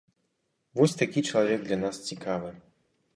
Вось такі чалавек для нас цікавы.